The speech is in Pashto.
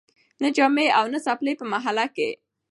نه جامې او نه څپلۍ په محله کي